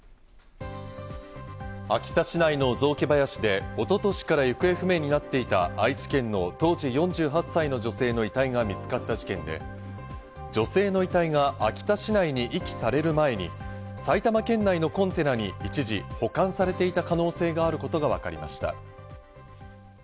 秋田市内の雑木林で一昨年から行方不明になっていた愛知県の当時４８歳の女性の遺体が見つかった事件で、女性の遺体が秋田市内に遺棄される前に埼玉県内のコンテナに一時保管されていた可能性があることがわかりました。